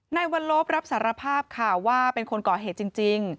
ในวันลบรับสารภาพค่ะว่าเป็นคนก่อเหตุจริง